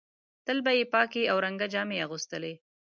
تل به یې پاکې او رنګه جامې اغوستلې.